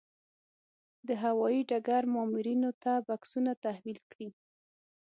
د هوايي ډګر مامورینو ته بکسونه تحویل کړي.